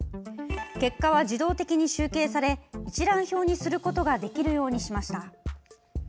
結果は自動的に集計され一覧表にすることができるようにしました。